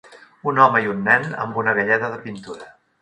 Un home i un nen amb una galleda de pintura.